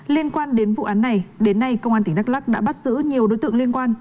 liên quan đến vụ án này đến nay công an tỉnh đắk lắc đã bắt giữ nhiều đối tượng liên quan